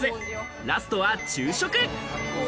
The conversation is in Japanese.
ラストは昼食。